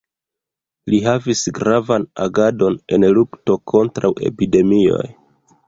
Li havis gravan agadon en lukto kontraŭ epidemioj.